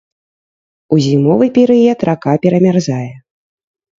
У зімовы перыяд рака перамярзае.